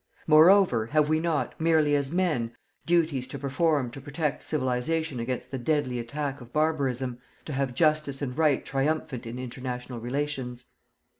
Moreover, have we not, merely as men, duties to perform to protect Civilization against the deadly attack of barbarism, to have Justice and Right triumphant in international relations?